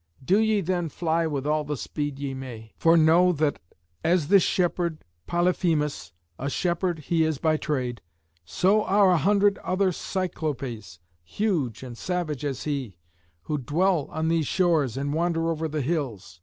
Do ye then fly with all the speed ye may. For know that as this shepherd Polyphemus a shepherd he is by trade so are a hundred other Cyclopés, huge and savage as he, who dwell on these shores and wander over the hills.